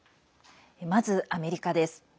まずアメリカです。